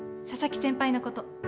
佐々木先輩のこと。